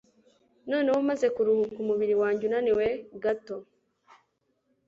Noneho maze kuruhuka umubiri wanjye unaniwe gato